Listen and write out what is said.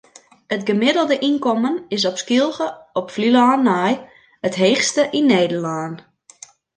It gemiddelde ynkommen is op Skylge op Flylân nei it heechste yn Nederlân.